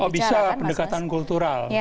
oh bisa pendekatan kultural